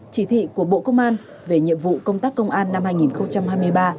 chỉ thị của bộ công an về nhiệm vụ công tác công an năm hai nghìn hai mươi ba